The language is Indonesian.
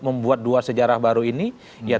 membuat dua sejarah baru ini yang